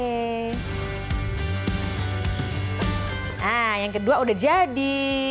nah yang kedua udah jadi